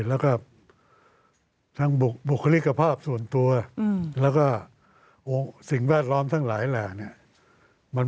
แล้วก็ทั้งบุคลิกภาพส่วนตัวแล้วก็สิ่งแวดล้อมทั้งหลายแหล่เนี่ย